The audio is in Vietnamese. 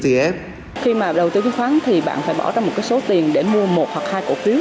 khi mà đầu tư khí khoản thì bạn phải bỏ ra một số tiền để mua một hoặc hai cổ phiếu